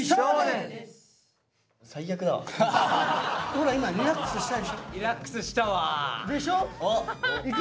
ほら今リラックスしたでしょ？でしょ？いく？